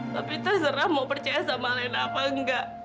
tapi terserah mau percaya sama lena apa enggak